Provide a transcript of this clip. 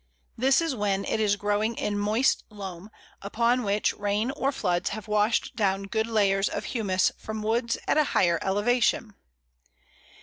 This is when it is growing in moist loam, upon which rain or floods have washed down good layers of humus from woods at a higher elevation.